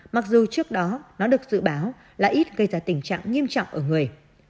mặc dù trước đó nó được dự báo là ít gây ra tình trạng nghiêm trọng ở người